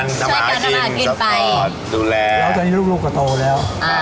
เราชินแล้วแม่